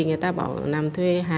người ta bảo làm thuê hải phòng